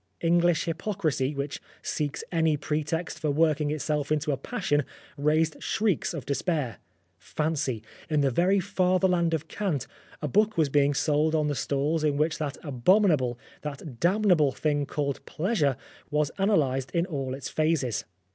English hypocrisy, which seeks any pretext for working itself into a passion, raised shrieks of despair. Fancy ! In the very fatherland of cant, a book was being sold on the stalls in which that abominable, that 265 Oscar Wilde damnable thing called Pleasure was analysed in all its phases.